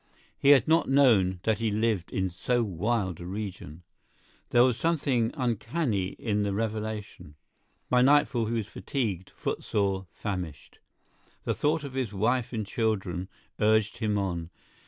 He had not known that he lived in so wild a region. There was something uncanny in the revelation. By nightfall he was fatigued, footsore, famished. The thought of his wife and children urged him on.